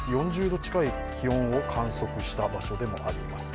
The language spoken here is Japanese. ４０度近い気温を観測した場所でもあります。